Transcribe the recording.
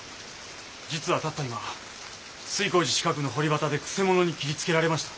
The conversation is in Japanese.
実はたった今吸江寺近くの堀端で曲者に斬りつけられました。